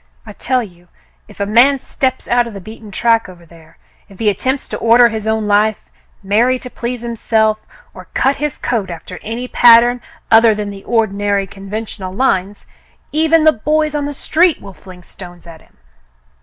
I tell you, if a man steps out of the beaten track over there — if he attempts to order his own life, marry to please himself, or cut his coat after any pattern other than the ordinary conventional lines, — even the boys on the street will fling stones at him.